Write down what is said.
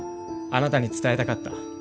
あなたに伝えたかった。